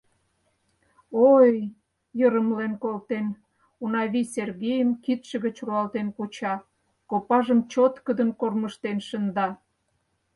— Ой-й! — йырымлен колтен, Унавий Сергейым кидше гыч руалтен куча, копажым чоткыдын кормыжтен шында.